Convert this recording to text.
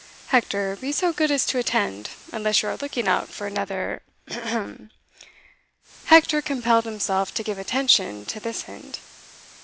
Hector, be so good as to attend, unless you are looking out for another Ahem!" (Hector compelled himself to give attention at this hint.